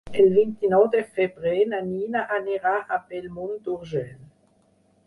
El vint-i-nou de febrer na Nina anirà a Bellmunt d'Urgell.